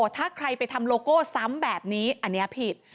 ถ้าใครไปทำโลโก้ซ้ำแบบนี้อันนี้ผิด